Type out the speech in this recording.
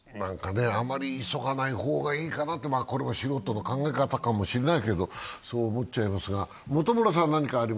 あまり急がない方がいいかなとこれも素人の考え方かもしれないけれど、そう思っちゃいますが。